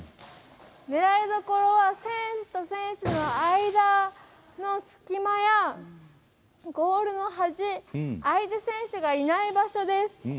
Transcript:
狙いどころは選手と選手の間の隙間やゴールの端相手選手がいない場所です。